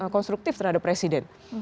konstruktif terhadap presiden